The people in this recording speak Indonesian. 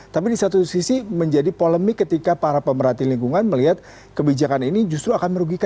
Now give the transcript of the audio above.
tapi di satu sisi menjadi polemik ketika para pemerhatian lingkungan melihat kebijakan ini justru akan merugikan indonesia dengan kemampuan yang dibuat